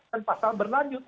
dan pasal berlanjut